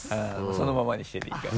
そのままにしてていいから。